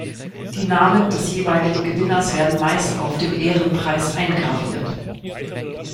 Die Namen des jeweiligen Gewinners werden meist auf dem Ehrenpreis eingraviert.